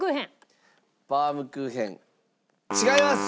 バウムクーヘン違います！